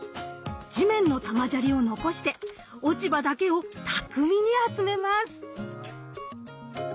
地面の玉砂利を残して落ち葉だけを巧みに集めます。